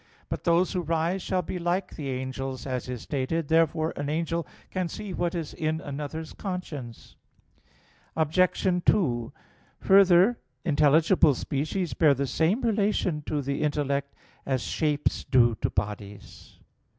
But those who rise shall be like the angels, as is stated (Matt. 22:30). Therefore an angel can see what is in another's conscience. Obj. 2: Further, intelligible species bear the same relation to the intellect as shapes do to bodies.